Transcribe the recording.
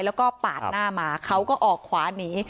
แล้วก็ปาดหน้ามาเขาก็ออกขวาหนี